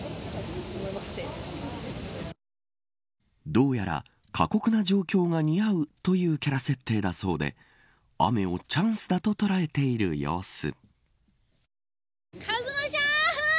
どうやら過酷な状況が似合うというキャラ設定だそうで雨をチャンスだと捉えている様子。